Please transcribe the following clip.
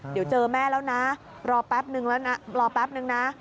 เดี๋ยวเจอแม่แล้วนะรอแป๊บหนึ่งนะ